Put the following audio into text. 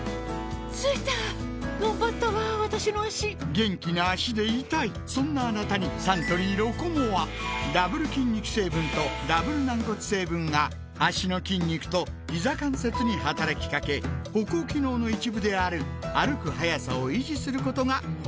着いたがんばったわ私の脚元気な脚でいたいそんなあなたにサントリー「ロコモア」ダブル筋肉成分とダブル軟骨成分が脚の筋肉とひざ関節に働きかけ歩行機能の一部である歩く速さを維持することが報告されています